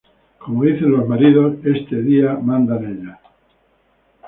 Como dicen los maridos "este día mandan ellas".